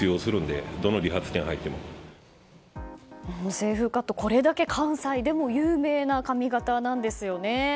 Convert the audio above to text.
清風カット、これだけ関西でも有名な髪形なんですよね。